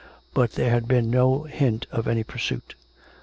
But there had been no hint of any pursuit.